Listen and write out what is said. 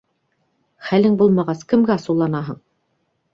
Хәлең булмағас, кемгә асыуланаһың!